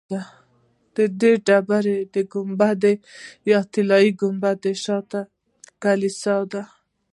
د ډبرې د ګنبد یا طلایي ګنبدې شاته د کلیسا ده.